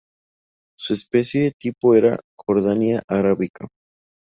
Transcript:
Su especie tipo era "Jordania arabica".